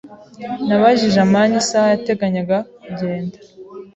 Nabajije amani isaha yateganyaga kugenda.